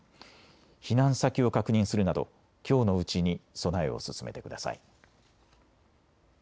避難先を確認するなどきょうのうちに備えを進めてください。